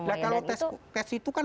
nah kalau tes itu kan